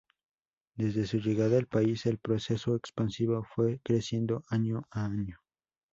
Desde su llegada al país, el proceso expansivo fue creciendo año a año.